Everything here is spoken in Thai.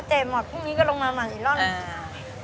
เจ็บหมดพรุ่งนี้ก็ลงมาอีกรอบ